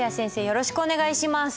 よろしくお願いします。